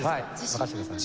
任せてください。